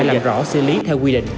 làm rõ xử lý theo quy định